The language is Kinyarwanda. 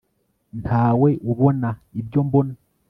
ntawe ubona ibyo mbona